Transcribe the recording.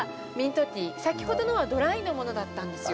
先ほどのはドライのものだったんですよ。